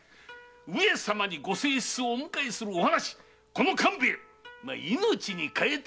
上様にご正室をお迎えするお話この官兵衛命に代えて。